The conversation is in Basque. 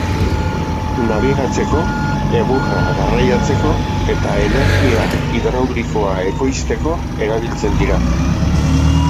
Nabigatzeko, egurra garraiatzeko eta energia hidraulikoa ekoizteko erabiltzen dira.